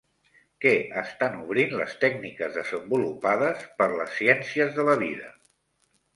Què estan obrint les tècniques desenvolupades per les ciències de la vida?